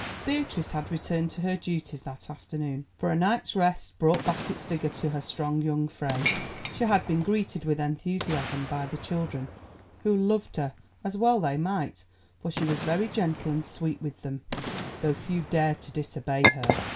Beatrice had returned to her duties that afternoon, for a night's rest brought back its vigour to her strong young frame. She had been greeted with enthusiasm by the children, who loved her, as well they might, for she was very gentle and sweet with them, though few dared to disobey her.